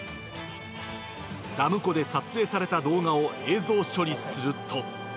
ダム湖で撮影された動画を映像処理すると。